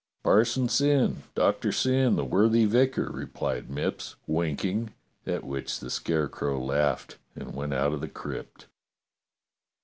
"Parson Syn, Doctor Syn, the worthy vicar," replied Mipps, winking, at which the Scarecrow laughed and went out of the crypt.